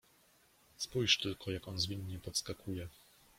"Spójrz tylko, jak on zwinnie podskakuje."